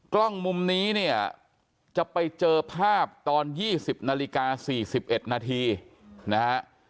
กล้องมุมนี้เนี่ยจะไปเจอภาพตอน๒๐นาฬิกา๔๑นาทีนะฮะ